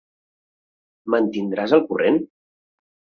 Me'n tindràs al corrent?